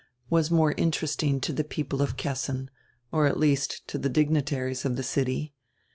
was more interesting to the people of Kessin, or at least to the dignitaries of the city.